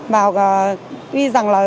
và tuy rằng là